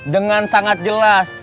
dengan sangat jelas